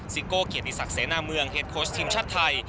สิโก้เคียดอิสักเสนาเมืองเฮดโคชทีมชาติไทย